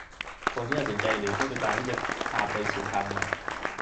คนที่น่าสนใจหรือโชคชะตาที่จะพาไปสู่ทางใหม่